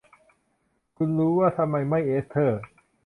คุณรู้ว่าทำไมไม่ เอสเธอร์